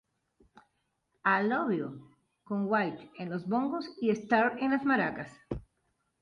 I Love You", con White en los bongos y Starr con las maracas.